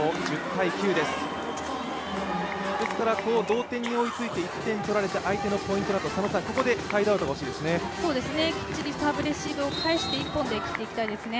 同点に追いつかれて１点差、相手のポイントだと、ここでタイムアウトが欲しいですね。